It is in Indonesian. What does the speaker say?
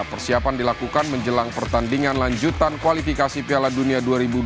persiapan dilakukan menjelang pertandingan lanjutan kualifikasi piala dunia dua ribu dua puluh